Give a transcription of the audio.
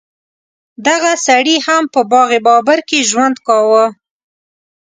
دغه سړي هم په باغ بابر کې ژوند کاوه.